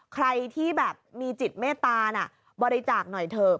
ใครที่แบบมีจิตเมตตาน่ะบริจาคหน่อยเถอะ